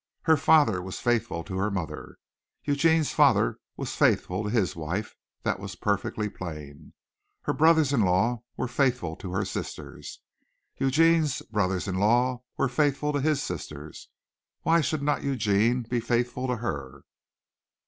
Her father was faithful to her mother. Eugene's father was faithful to his wife that was perfectly plain. Her brothers in law were faithful to her sisters, Eugene's brothers in law were faithful to his sisters. Why should not Eugene be faithful to her?